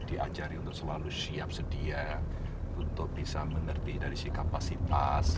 diajari untuk selalu siap sedia untuk bisa mengerti dari si kapasitas